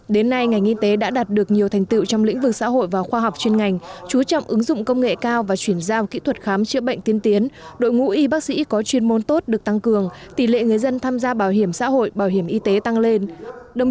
đến nay ngành y tế đã đạt được nhiều thành tựu trong lĩnh vực xã hội và khoa học chuyên ngành chú trọng ứng dụng công nghệ cao và chuyển giao kỹ thuật khám chữa bệnh tiên tiến đội ngũ y bác sĩ có chuyên môn tốt được tăng cường tỷ lệ người dân tham gia bảo hiểm xã hội bảo hiểm y tế tăng lên